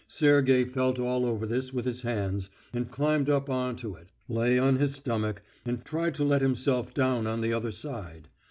Sergey felt all over this with his hands, and climbed up on to it, lay on his stomach, and tried to let himself down on the other side.